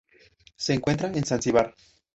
Se encuentra en Zanzíbar.